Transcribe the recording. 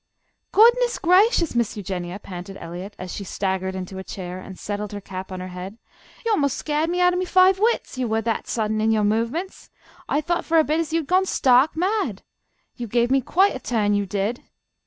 "Goodness gracious, Miss Eugenia," panted Eliot, as she staggered into a chair and settled her cap on her head. "You a'most scared me out of me five wits, you were that sudden in your movements. I thought for a bit as you had gone stark mad. You gave me quite a turn, you did."